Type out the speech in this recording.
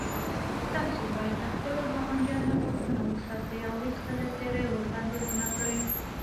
تاسو باید د خپلو ګاونډیانو حقونه وساتئ او هېڅکله تېری ورباندې ونه کړئ